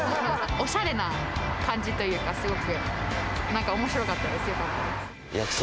おしゃれな感じというか、すごくおもしろかったです、よかったです。